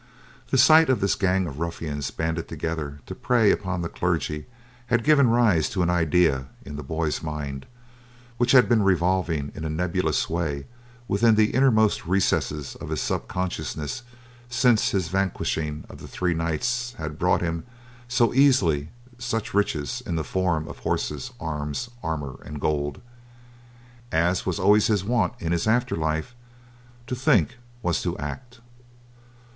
The sight of this gang of ruffians banded together to prey upon the clergy had given rise to an idea in the boy's mind, which had been revolving in a nebulous way within the innermost recesses of his subconsciousness since his vanquishing of the three knights had brought him, so easily, such riches in the form of horses, arms, armor and gold. As was always his wont in his after life, to think was to act.